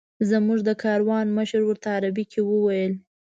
زموږ د کاروان مشر ورته عربي کې وویل.